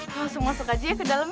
eh langsung masuk aja ya ke dalam ya